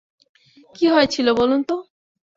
কি হয়েছিল বলুন তো।